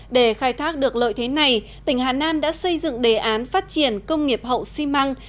để khai thác được lợi thế này tỉnh hà nam đã xây dựng đề án phát triển công nghiệp hậu xi măng